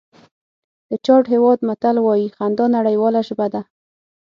د چاډ هېواد متل وایي خندا نړیواله ژبه ده.